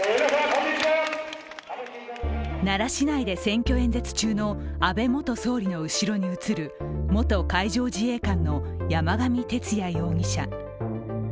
奈良市内で選挙演説中の安倍元総理の後ろに映る元海上自衛官の山上徹也容疑者。